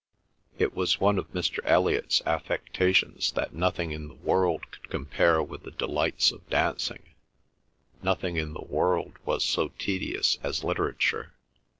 It was one of Mr. Elliot's affectations that nothing in the world could compare with the delights of dancing—nothing in the world was so tedious as literature.